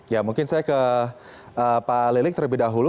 ya mungkin saya ke pak lilik terlebih dahulu